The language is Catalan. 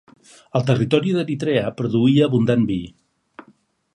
El territori d'Eritrea produïa abundant vi.